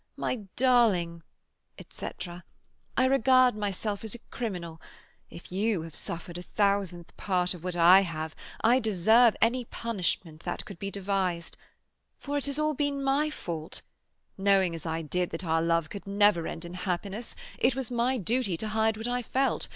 My darling"—etc. "I regard myself as a criminal; if you have suffered a thousandth part of what I have, I deserve any punishment that could be devised. For it has all been my fault. Knowing as I did that our love could never end in happiness, it was my duty to hide what I felt.